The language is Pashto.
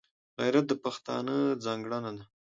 غیرت د پښتانه ځانګړنه ده